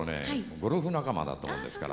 ゴルフ仲間だったもんですから。